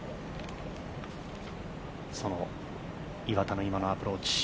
その岩田の今のアプローチ。